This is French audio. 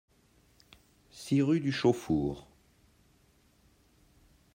six rue du Chauxfour